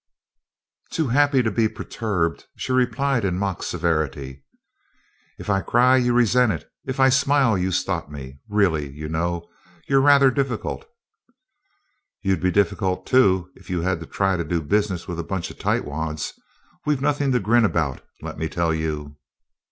Too happy to be perturbed, she replied in mock severity: "If I cry, you resent it; if I smile, you stop me. Really, you know, you're rather difficult." "You'd be difficult, too, if you had to try to do business with a bunch of tightwads. We've nothing to grin about, let me tell you."